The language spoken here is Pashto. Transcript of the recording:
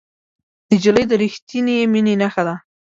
نجلۍ د رښتینې مینې نښه ده.